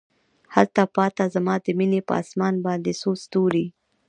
هلته پاته زما د میینې په اسمان باندې څو ستوري